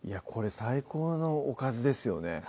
これ最高のおかずですよね